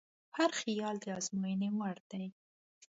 هر خیال د ازموینې وړ دی.